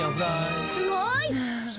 「すごい！」